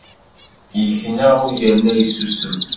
Yekna u yerna yessusem.